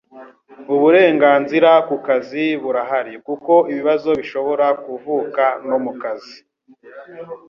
Uburenganzira ku kazi burahari kuko ibibazo bishobora kuvuka no mukazi